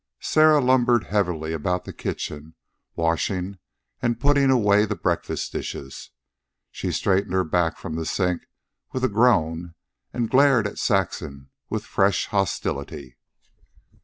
Sarah lumbered heavily about the kitchen, washing and putting away the breakfast dishes. She straightened her back from the sink with a groan and glared at Saxon with fresh hostility.